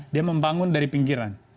dia membangun dari pinggiran